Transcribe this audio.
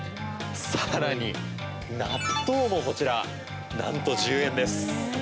更に納豆もこちら、なんと１０円です！